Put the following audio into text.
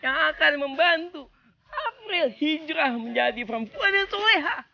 yang akan membantu april hijrah menjadi perempuan yang toleha